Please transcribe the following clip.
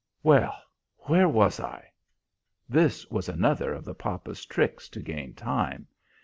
"Well, where was I?" This was another of the papa's tricks to gain time.